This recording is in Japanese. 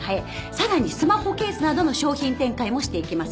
さらにスマホケースなどの商品展開もしていけます。